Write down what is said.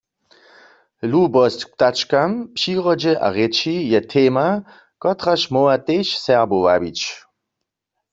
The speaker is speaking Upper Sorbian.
Lubosć k ptačkam, přirodźe a rěči je tema, kotraž móhła tež Serbow wabić.